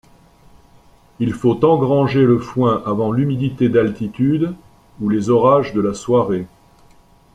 Il faut engranger le foin avant l'humidité d'altitude ou les orages de la soirée.